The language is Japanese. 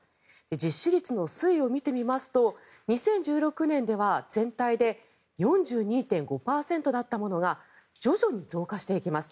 実施率の推移を見てみますと２０１６年では全体で４２．５％だったものが徐々に増加していきます。